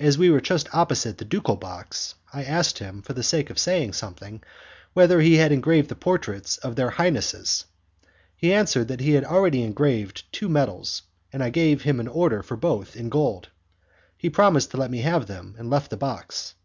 As we were just opposite the ducal box, I asked him, for the sake of saying something, whether he had engraved the portraits of their highnesses. He answered that he had already engraved two medals, and I gave him an order for both, in gold. He promised to let me have them, and left the box.